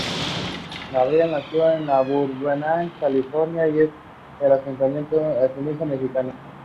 The threat of everything.